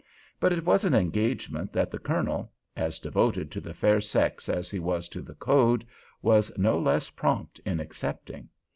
But it was an engagement that the Colonel—as devoted to the fair sex as he was to the "code"—was no less prompt in accepting.